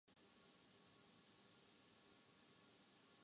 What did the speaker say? یہ کام اسلامسٹ حلقوں کوکرنا چاہیے۔